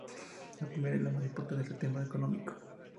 La primera, y la más importante es la del tema económico.